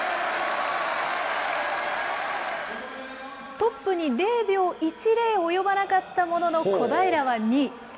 トップに０秒１０及ばなかったものの、小平は２位。